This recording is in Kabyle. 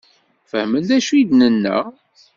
Fehmen d acu i d-nenna?